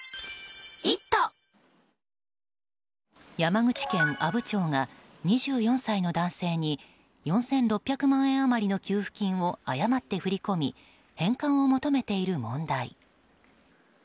山口県阿武町が２４歳の男性に４６００万円余りの給付金を誤って振り込み返還を求めている問題。